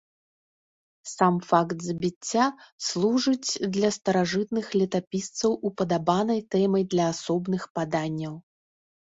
Сам факт забіцця служыць для старажытных летапісцаў упадабанай тэмай для асобных паданняў.